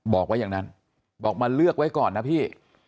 บอกว่าอย่างนั้นบอกมาเลือกไว้ก่อนนะพี่